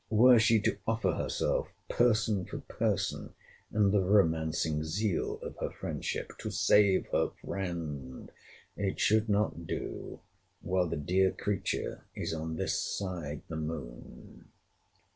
Were she to offer herself, person for person, in the romancing zeal of her friendship, to save her friend, it should not do, while the dear creature is on this side the moon.